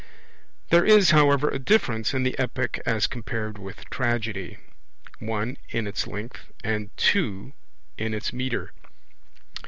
There is, however, a difference in the Epic as compared with Tragedy, (1) in its length, and (2) in its metre.